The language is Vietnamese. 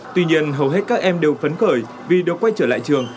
tuy nhiên hầu hết các em đều phấn khởi vì được quay trở lại trường